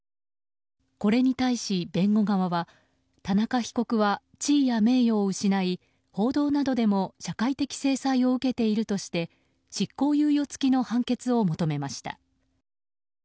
これに対し、弁護側は田中被告は地位や名誉を失い報道などでも社会的制裁を受けているとして執行猶予付きの判決を求めました。